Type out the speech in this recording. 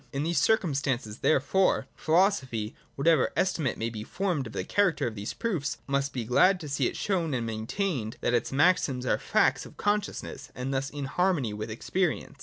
In these circum stances therefore, philosophy, whatever estimate may be formed of the character of these proofs, must in any case be glad to see it shown and maintained that its maxims are facts of consciousness, and thus in harmony with experience.